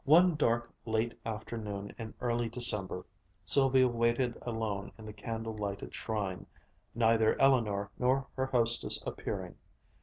One dark late afternoon in early December, Sylvia waited alone in the candle lighted shrine, neither Eleanor nor her hostess appearing.